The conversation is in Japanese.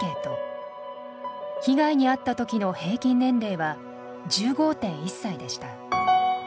被害に遭った時の平均年齢は１５．１歳でした。